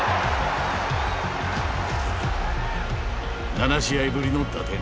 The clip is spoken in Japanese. ７試合ぶりの打点。